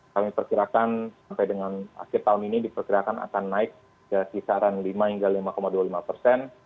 kami perkirakan sampai dengan akhir tahun ini diperkirakan akan naik ke kisaran lima hingga lima dua puluh lima persen